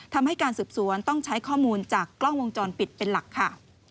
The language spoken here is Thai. ทำให้การสืบสวนต้องใช้ข้อมูลจากกล้องวงจรปิดเป็นหลักค่ะ